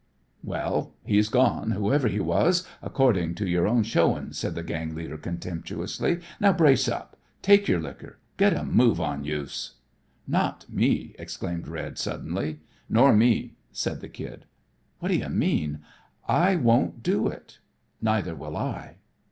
"Well, he's gone, whoever he was, accordin' to your own showin'," said the gang leader contemptuously. "Now brace up. Take your liquor. Get a move on youse." "Not me," exclaimed Red suddenly. "Nor me," said the Kid. "What d'ye mean?" "I won't do it." "Neither will I."